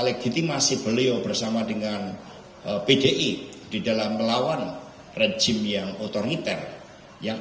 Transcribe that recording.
legitimasi beliau bersama dengan pdi di dalam melawan rejim yang otoriter yang